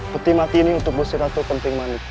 peti mati ini untuk gusti ratu kentrimanik